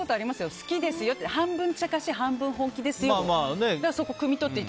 好きですよって半分茶化し、半分本気ですよって。